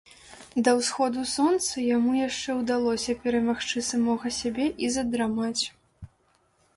Да ўсходу сонца яму яшчэ ўдалося перамагчы самога сябе і задрамаць.